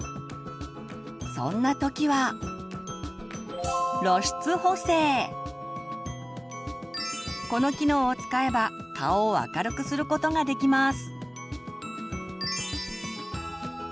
そんな時はこの機能を使えば顔を明るくすることができます。